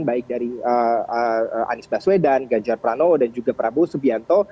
baik dari anies baswedan ganjar pranowo dan juga prabowo subianto